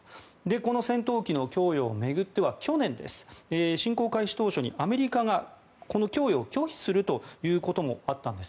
この戦闘機の供与を巡っては去年、侵攻開始当初にアメリカがこの供与を拒否することもあったんです。